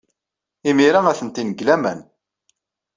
Imir-a, atenti deg laman.